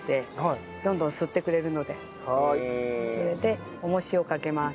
それで重しをかけます。